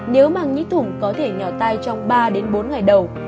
nếu màng nhĩ thủng có thể nhỏ tay trong ba bốn ngày đầu